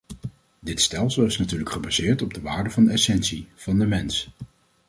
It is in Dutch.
Dit stelsel is natuurlijk gebaseerd op de waarde van de essentie, van de mens.